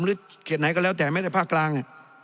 หรือเขตไหนก็แล้วแต่ไม่ได้ภาคกลาง